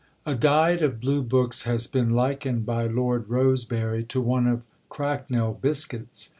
IV A diet of Blue books has been likened by Lord Rosebery to one of cracknel biscuits.